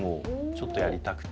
ちょっとやりたくて。